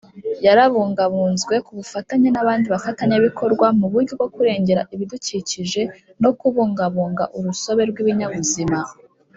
yarabungabunzwe Ku bufatanye nabandi bafatanyabikorwa mu buryo bwo kurengera ibidukikije no kubungabunga urusobe rw’ibinyabuzima.